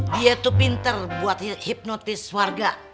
dia tuh pinter buat hipnotis warga